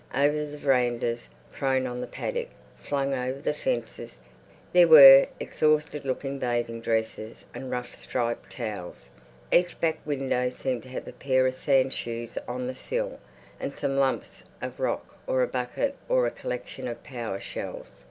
Over the verandas, prone on the paddock, flung over the fences, there were exhausted looking bathing dresses and rough striped towels. Each back window seemed to have a pair of sand shoes on the sill and some lumps of rock or a bucket or a collection of pawa shells.